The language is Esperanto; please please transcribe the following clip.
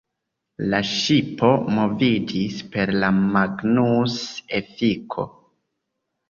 La ŝipo moviĝis per la Magnus-efiko.